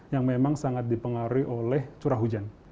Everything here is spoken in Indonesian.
yang memang sangat dipengaruhi oleh curah hujan